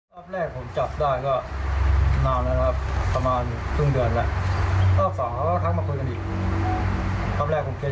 เรามีลูกกับแฟนของเราคนนี้อยู่แล้วใช่ไหมครับ